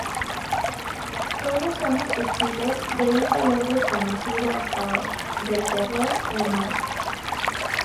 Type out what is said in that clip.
Todos somos testigos de un valor desconocido hasta ahora; del terror, la muerte.